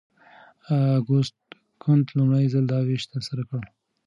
اګوست کنت لومړی ځل دا ویش ترسره کړ.